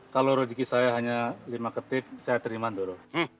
kalau rezeki saya hanya lima ketip saya terima dulu